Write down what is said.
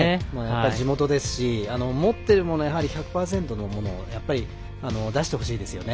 地元ですし持ってるもの１００％のものを出してほしいですよね。